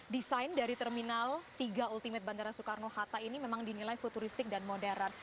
desain dari terminal tiga ultimate bandara soekarno hatta ini memang dinilai futuristik dan modern